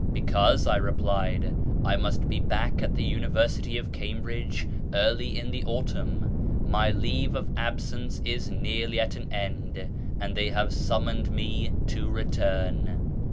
" Because," I replied, " I must be back at the University of Cambridge early in the autumn. My leave of absence is nearly at an end, and they have summoned me to return."